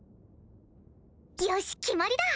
よし決まりだ！